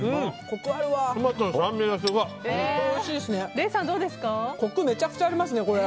コク、めちゃくちゃありますね。